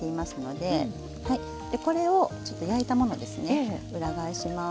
でこれをちょっと焼いたものですね裏返します。